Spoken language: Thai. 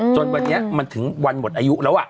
จนวันนี้มันถึงวันหมดอายุแล้ว